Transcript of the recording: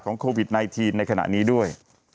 โควิด๑๙ในขณะนี้ด้วย